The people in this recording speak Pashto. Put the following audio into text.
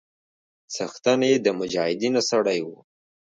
څښتن يې د مجاهيدنو سړى و.